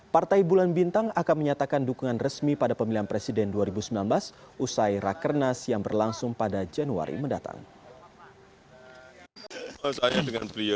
partai bulan bintang akan menyatakan dukungan resmi pada pemilihan presiden dua ribu sembilan belas usai rakernas yang berlangsung pada januari mendatang